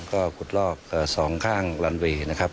ก็ขุดลอกสองข้างลันเวย์นะครับ